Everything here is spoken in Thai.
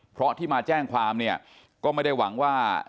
เพราะที่มาแจ้งความเนี่ยก็ไม่ได้หวังว่า